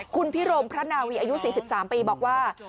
คุณพิรมพระนาวีอายุ๔๓ปีบอกว่า